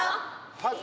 はい。